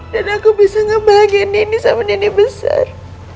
dan aku bisa ngebahagiakan nini sama nini besar